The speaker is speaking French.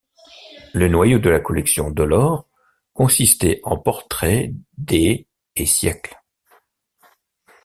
Le noyau de la collection Delort consistait en portraits des et siècles.